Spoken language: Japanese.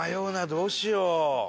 どうしよう？